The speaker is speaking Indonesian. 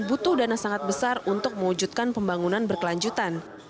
butuh dana sangat besar untuk mewujudkan pembangunan berkelanjutan